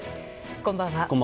こんばんは。